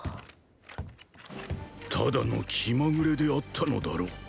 ただの気まぐれであったのだろう。